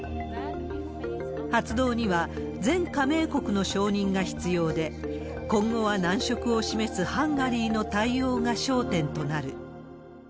発動には全加盟国の承認が必要で、今後は難色を示すハンガリーの対応が焦点となる。